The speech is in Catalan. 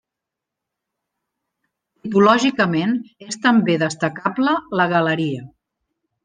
Tipològicament és també destacable la galeria.